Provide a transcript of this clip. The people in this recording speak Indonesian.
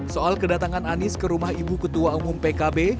soal kedatangan anies ke rumah ibu ketua umum pkb